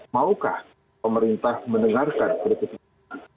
maukah pemerintah mendengarkan kritik kritik itu